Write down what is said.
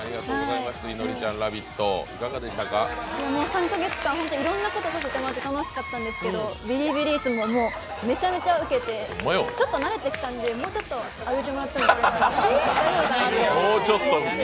３か月間いろんなことをさせてもらって楽しかったんですけどビリビリ椅子もめちゃめちゃ受けてちょっと慣れてきたんで、もうちょっと上げてもらっても大丈夫です。